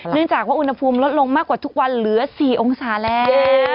เนื่องจากว่าอุณหภูมิลดลงมากกว่าทุกวันเหลือ๔องศาแล้ว